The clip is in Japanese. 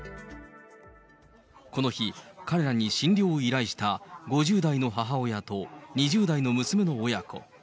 この日、彼らに診療を依頼した５０代の母親と２０代の娘の親子。